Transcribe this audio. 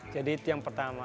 jadi itu yang pertama